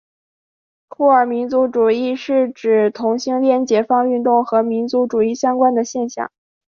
酷儿民族主义是指同性恋解放运动和民族主义相关的现象。